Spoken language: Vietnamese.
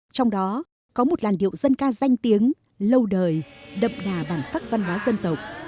trong đó có một làn điệu dân ca danh tiếng lâu đời đậm đà bản sắc văn hóa dân tộc